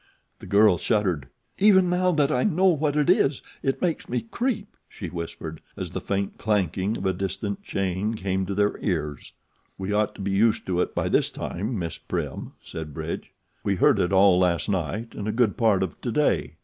The girl shuddered. "Even now that I know what it is it makes me creep," she whispered, as the faint clanking of a distant chain came to their ears. "We ought to be used to it by this time, Miss Prim," said Bridge. "We heard it all last night and a good part of to day."